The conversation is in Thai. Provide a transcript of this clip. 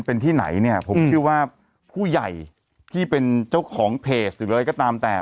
เป็นที่ไหนเนี่ยผมเชื่อว่าผู้ใหญ่ที่เป็นเจ้าของเพจหรืออะไรก็ตามแต่